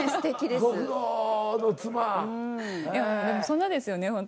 でもそんなですよね